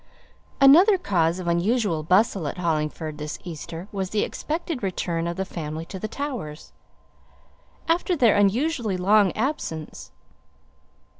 Another cause of unusual bustle at Hollingford this Easter was the expected return of the family to the Towers, after their unusually long absence.